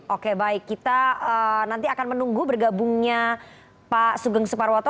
oke baik kita nanti akan menunggu bergabungnya pak sugeng suparwoto